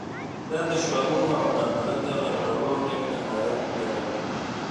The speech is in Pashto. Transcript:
دا د شعارونو او نابلده غرغړو نوې نندارې هم لرلې.